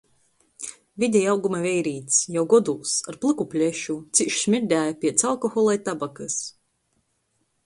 Videja auguma veirīts, jau godūs, ar plyku plešu, cīš smirdēja piec alkohola i tabakys.